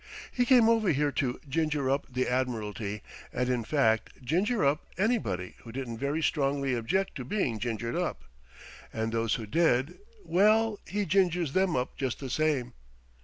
He came over here to 'ginger up' the Admiralty, and in fact 'ginger up' anybody who didn't very strongly object to being 'gingered up,' and those who did, well he gingers them up just the same.